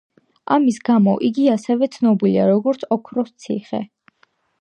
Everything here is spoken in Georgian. ამის გამო, იგი ასევე ცნობილია როგორც „ოქროს ციხე“.